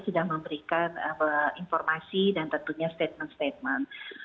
sudah memberikan informasi dan tentunya statement statement